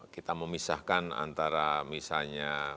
kita memisahkan antara misalnya